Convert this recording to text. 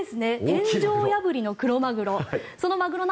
天井破りのクロマグロ。